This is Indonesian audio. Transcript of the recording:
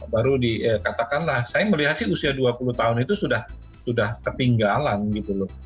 baru dikatakanlah saya melihat sih usia dua puluh tahun itu sudah ketinggalan gitu loh